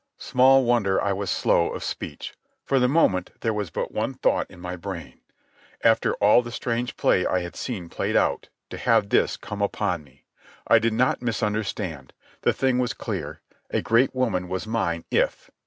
Small wonder I was slow of speech. For the moment there was but one thought in my brain. After all the strange play I had seen played out, to have this come upon me! I did not misunderstand. The thing was clear. A great woman was mine if